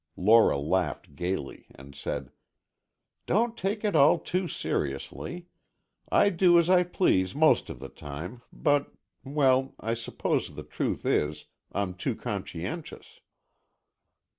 Lora laughed gaily, and said, "Don't take it all too seriously. I do as I please most of the time, but—well, I suppose the truth is, I'm too conscientious."